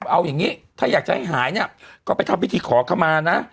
เอาอย่างนี้ถ้าอยากจะให้หายเนี่ยก็ไปทำพิธีขอเข้ามานะ